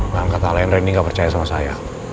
dan kata lain renny gak percaya sama saya